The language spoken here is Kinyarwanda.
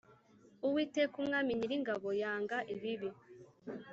Uwiteka Umwami Nyiringabo yanga ibibi